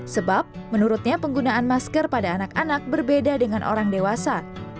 sebab menurutnya penggunaan masker pada anak anak berbeda dengan orang dewasa